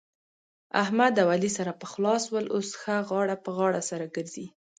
احمد اوعلي سره پخلا سول. اوس ښه غاړه په غاړه سره ګرځي.